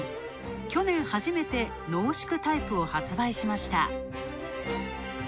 去年初めて濃縮タイプを発売しました。